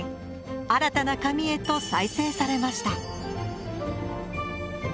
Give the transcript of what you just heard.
新たな紙へと再生されました。